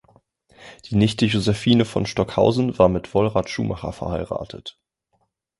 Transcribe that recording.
Die Nichte Josephine von Stockhausen war mit Wolrad Schumacher verheiratet.